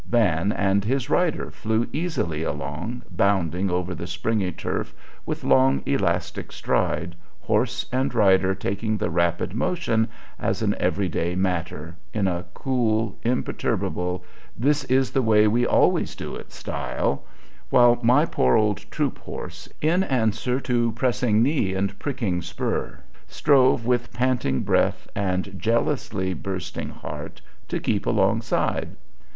Van and his rider flew easily along, bounding over the springy turf with long, elastic stride, horse and rider taking the rapid motion as an every day matter, in a cool, imperturbable, this is the way we always do it style; while my poor old troop horse, in answer to pressing knee and pricking spur, strove with panting breath and jealously bursting heart to keep alongside.